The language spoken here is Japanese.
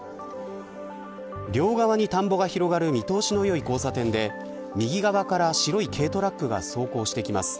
両側に田んぼが広がる見通しのよい交差点で右側から、白い軽トラックが走行してきます。